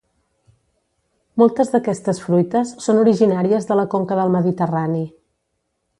Moltes d'aquestes fruites són originàries de la conca del Mediterrani.